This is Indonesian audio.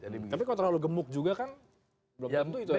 tapi kalau terlalu gemuk juga kan belum tentu itu yang bisa efektif